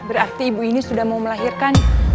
berarti ibu ini sudah mau melahirkan